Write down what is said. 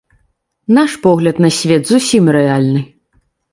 Наш погляд на свет зусім рэальны.